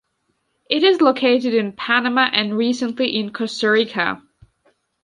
It is located in panama and recently in Costa Rica.